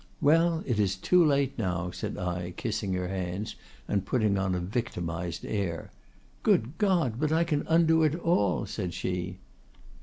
'—'Well, it is too late now,' said I, kissing her hands, and putting on a victimized air.—'Good God! But I can undo it all!' said she.